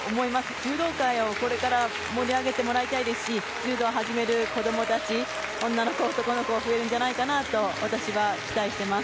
柔道界をこれから盛り上げてもらいたいですし柔道を始める子供たち女の子、男の子増えるんじゃないかなと私は期待しています。